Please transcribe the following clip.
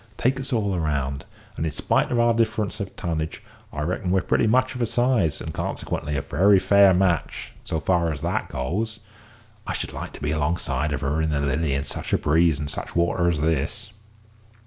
Take us all round, and, in spite of our difference of tonnage, I reckon we're pretty much of a size, and consequently a very fair match, so far as that goes. I should like to be alongside of her in the Lily in such a breeze and such water as this."